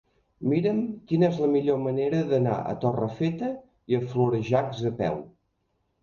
Mira'm quina és la millor manera d'anar a Torrefeta i Florejacs a peu.